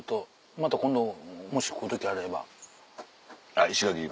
また今度もし来る時あれば。石垣島。